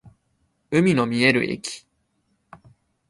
海の見える駅